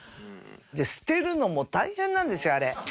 で捨てるのも大変なんですよあれ。